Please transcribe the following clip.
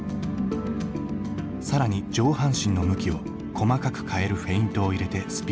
更に上半身の向きを細かく変えるフェイントを入れてスピードアップ。